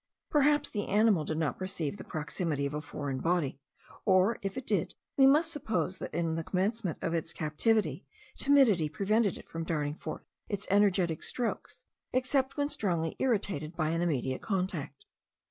Perhaps the animal did not perceive the proximity of a foreign body; or, if it did, we must suppose that in the commencement of its captivity, timidity prevented it from darting forth its energetic strokes except when strongly irritated by an immediate contact.